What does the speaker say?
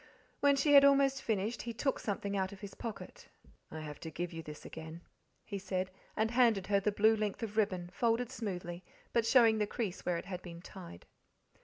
When she had almost finished he took something out of his pocket. "I have to give you this again," he said, and handed her the blue length of ribbon, folded smoothly, but showing the crease where it had been tied.